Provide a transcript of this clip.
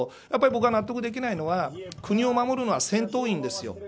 やっぱり僕が納得できないのは国を守るのは戦闘員です。